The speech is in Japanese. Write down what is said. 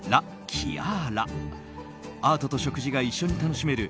アートと食事が一緒に楽しめる